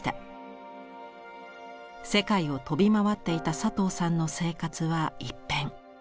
世界を飛び回っていた佐藤さんの生活は一変。